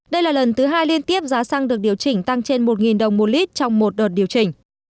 đây là lần thứ hai liên tiếp giá xăng được điều chỉnh tăng trên một đồng một lít trong một đợt điều chỉnh